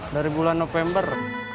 dari bulan november